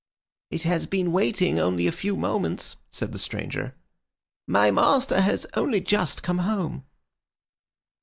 "It has been waiting only a few moments," said the stranger. "My master has only just come home."